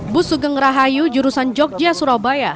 bus sugeng rahayu jurusan jogja surabaya